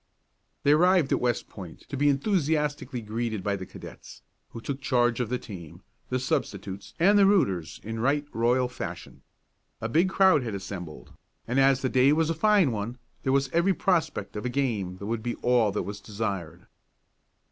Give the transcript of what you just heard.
They arrived at West Point to be enthusiastically greeted by the cadets, who took charge of the team, the substitutes and the "rooters" in right royal fashion. A big crowd had assembled, and as the day was a fine one there was every prospect of a game that would be all that was desired.